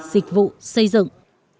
dịch vụ xây dựng